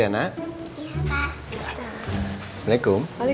saya berangkat kantor andin